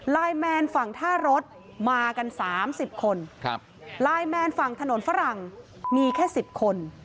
แมนฝั่งท่ารถมากันสามสิบคนครับไลน์แมนฝั่งถนนฝรั่งมีแค่๑๐คน